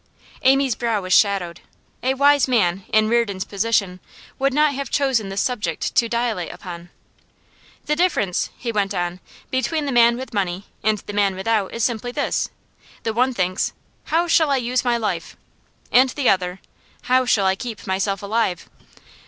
Amy's brow was shadowed. A wise man, in Reardon's position, would not have chosen this subject to dilate upon. 'The difference,' he went on, 'between the man with money and the man without is simply this: the one thinks, "How shall I use my life?" and the other, "How shall I keep myself alive?"